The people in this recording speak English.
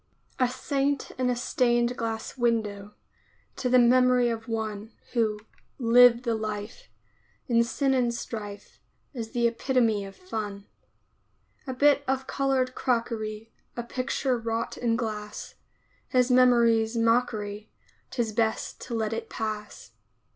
A Saint in a stained glass window, To the memory of one Who "lived the life," In sin and strife, Is the epitome of fun. A bit of colored crockery, A picture wrought in glass, His memory's mockery 'Tis best to let it pass.